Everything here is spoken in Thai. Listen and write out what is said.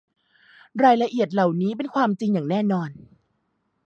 รายละเอียดเหล่านี้เป็นความจริงอย่างแน่นอน